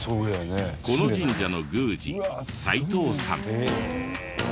この神社の宮司齋藤さん。